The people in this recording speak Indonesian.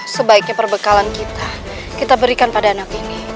sebaiknya perbekalan kita kita berikan pada anak ini